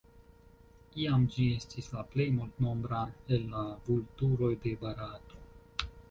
Iam ĝi estis la plej multnombra el la vulturoj de Barato.